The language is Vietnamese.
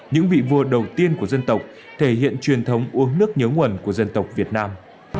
những vị vua đầu tiên của dân tộc thể hiện truyền thống uống nước nhớ nguồn của dân tộc việt nam